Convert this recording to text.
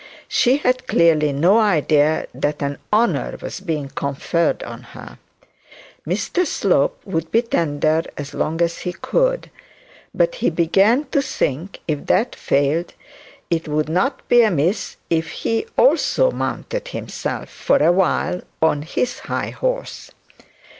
She had clearly no idea that an honour was being conferred on her. Mr Slope would be tender as long as he could, but he began to think, if that failed, it would not be amiss if he also mounted himself for a while on his high horse.